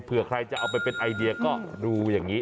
เพื่อใครจะเอาไปเป็นไอเดียก็ดูอย่างนี้